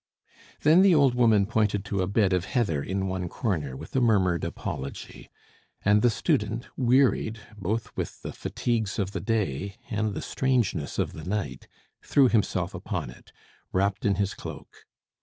Then the old woman pointed to a bed of heather in one corner with a murmured apology; and the student, wearied both with the fatigues of the day and the strangeness of the night, threw himself upon it, wrapped in his cloak.